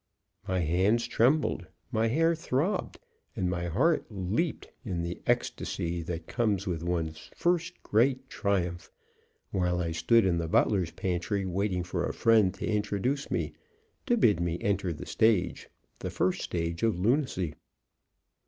My hands trembled, my hair throbbed, and my heart leaped in the ecstacy that comes with one's first great triumph, while I stood in the butler's pantry waiting for a friend to introduce me to bid me enter the stage the first stage of lunacy.